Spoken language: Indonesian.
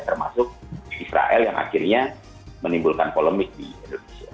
termasuk israel yang akhirnya menimbulkan polemik di indonesia